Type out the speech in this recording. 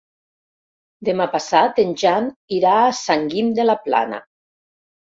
Demà passat en Jan irà a Sant Guim de la Plana.